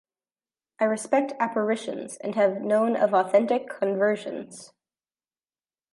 I respect apparitions and have known of authentic conversions.